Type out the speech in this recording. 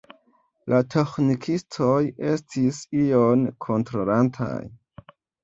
La teĥnikistoj estis ion kontrolantaj.